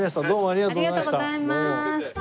ありがとうございます。